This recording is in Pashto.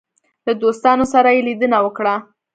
له دوستانو سره یې لیدنه وکړه.